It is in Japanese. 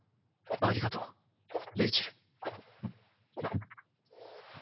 ありがとうレイチェル。